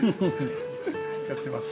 やってます。